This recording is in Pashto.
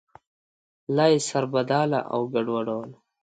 لا یې سربداله او ګډوډولو.